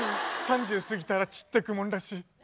３０過ぎたら散ってくもんらしい。